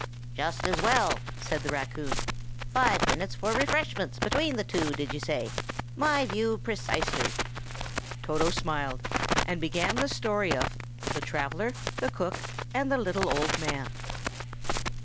"Just as well," said the raccoon. "Five minutes for refreshments between the two, did you say? My view precisely." Toto smiled, and began the story of THE TRAVELLER, THE COOK, AND THE LITTLE OLD MAN.